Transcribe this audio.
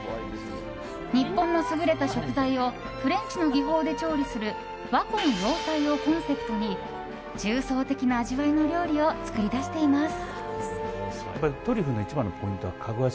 日本の優れた食材をフレンチの技法で調理する和魂洋才をコンセプトに重層的な味わいの料理を作り出しています。